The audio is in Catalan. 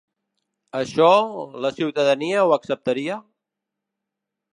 Això, la ciutadania ho acceptaria?